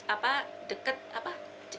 apa deket apa